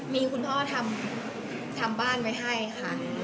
มีคุณพ่อทำบ้านไว้ให้ค่ะ